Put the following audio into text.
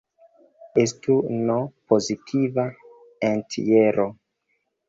Estu "n" pozitiva entjero.